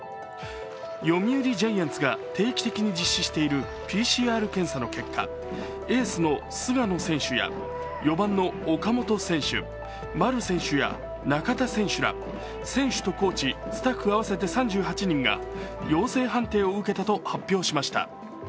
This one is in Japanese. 読売ジャイアンツが定期的に実施しているＰＣＲ検査の結果、エースの菅野選手や４番の岡本選手丸選手や中田選手ら選手とコーチ、スタッフ合わせて３８人が陽性判定を受けたと発表しました。